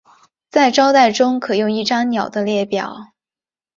在招待中可用一张鸟的列表。